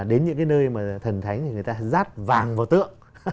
đến những cái nơi mà thần thánh thì người ta rát vàng vào tượng